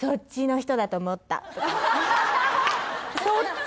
そっち？